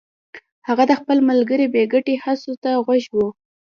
هغه د خپل ملګري بې ګټې هڅو ته غوږ و